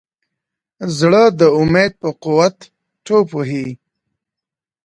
زړه د امید په قوت ټوپ وهي.